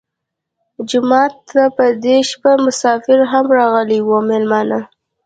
جومات ته په دې شپه مسافر هم راغلي وو مېلمانه.